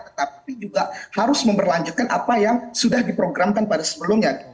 tetapi juga harus memperlanjutkan apa yang sudah diprogramkan pada sebelumnya